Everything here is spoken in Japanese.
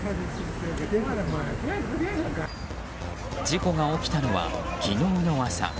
事故が起きたのは昨日の朝。